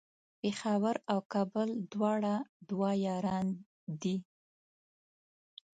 پیښور او کابل دواړه دوه یاران دی